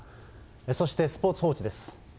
そしてスポーツ報知です。